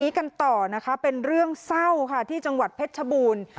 ตอนนี้กันต่อเป็นเรื่องเศร้าค่ะที่จังหวัดเพชรชบูญ